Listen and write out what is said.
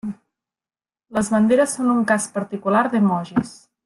Les banderes són un cas particular d'emojis.